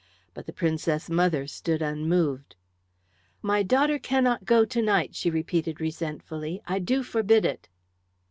But the Princess mother stood unmoved. "My daughter cannot go to night," she repeated resentfully. "I do forbid it."